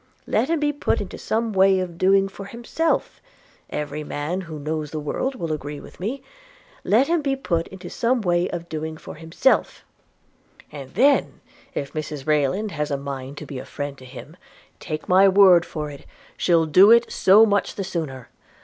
Let him be put into some way of doing for himself – every man who knows the world will agree with me – let him be put into some way of doing for himself; and then, if Mrs Rayland has a mind to be a friend to him, take my word for it she'll do it so much the sooner.